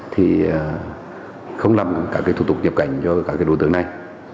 thì không làm các thủ tục nhập cảnh cho các đối tượng này